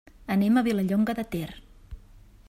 Anem a Vilallonga de Ter.